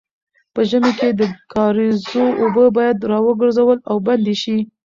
په ژمي کې د کاریزو اوبه باید راوګرځول او بندې شي.